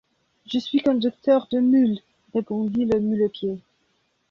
Je suis conducteur de mules, répondit le muletier.